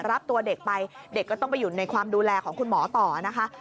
รับตัวเด็กไปเด็กก็ต้องไปอยู่ในความดูแลของคุณหมอต่อนะคะ